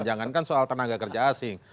jangan kan soal tenaga kerja asing